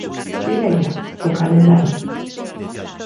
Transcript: Primeira, o calendario.